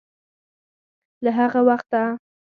له هغه وخته